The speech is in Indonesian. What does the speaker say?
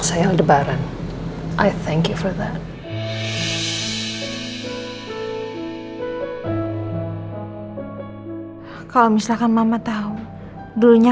sampai jumpa di video selanjutnya